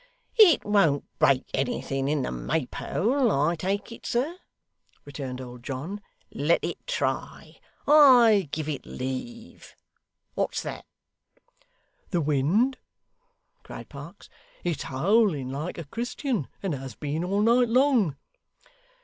'It won't break anything in the Maypole, I take it, sir,' returned old John. 'Let it try. I give it leave what's that?' 'The wind,' cried Parkes. 'It's howling like a Christian, and has been all night long.